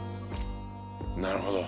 なるほど。